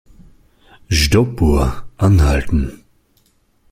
Stoppuhr anhalten.